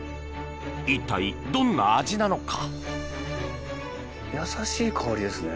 一体、どんな味なのか？